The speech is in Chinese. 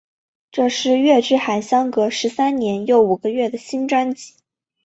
这是月之海相隔十三年又五个月的新专辑。